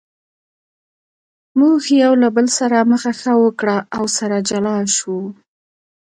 موږ یو له بل سره مخه ښه وکړه او سره جلا شوو.